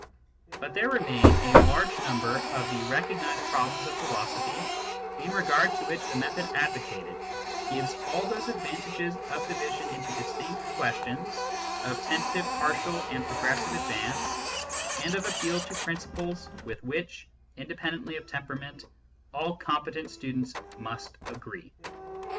But there remain a large number of the re cognised problems of philosophy in regard to which the method advocated gives all those advantages of division into distinct questions, of tentative, partial, and pro gressive advance, and of appeal to principles with which, independently of temperament, all competent students must agree.